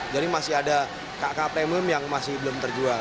jadi masih ada kakak premium yang masih belum terjual